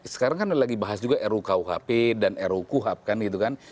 sekarang kan lagi bahas juga rukuhp dan ru kuhab kan gitu kan